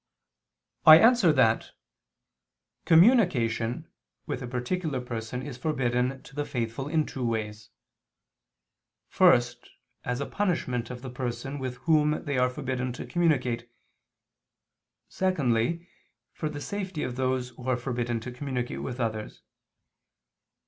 I answer that, Communication with a particular person is forbidden to the faithful, in two ways: first, as a punishment of the person with whom they are forbidden to communicate; secondly, for the safety of those who are forbidden to communicate with others.